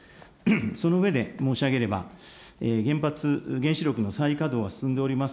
その上で申し上げれば、原発、原子力の再稼働が進んでおります